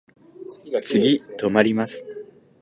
次止まります。